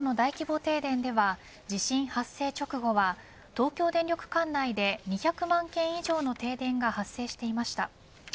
この関東の大規模停電では地震発生直後は東京電力管内で２００万軒以上の停電が発生していました。